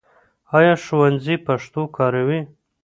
ایا ښوونځی پښتو کاروي؟